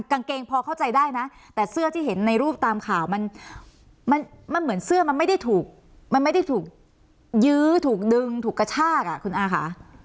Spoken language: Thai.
กางเกงพอเข้าใจได้นะแต่เสื้อที่เห็นในรูปตามข่าวมันมันเหมือนเสื้อมันไม่ได้ถูกมันไม่ได้ถูกยื้อถูกดึงถูกกระชากอ่ะคุณอาค่ะ